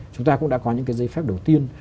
chúng ta cũng đã có những dây phép đầu tiên